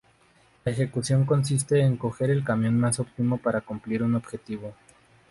La ejecución consiste en coger el camino más óptimo para cumplir un objetivo.